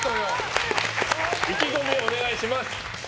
意気込みをお願いします。